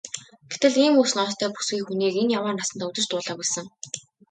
Гэтэл ийм үс ноостой бүсгүй хүнийг энэ яваа насандаа үзэж дуулаагүй сэн.